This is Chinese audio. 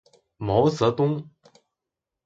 毛泽东